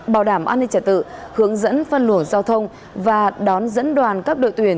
bảo đảm an ninh trả tự hướng dẫn phân luồng giao thông và đón dẫn đoàn các đội tuyển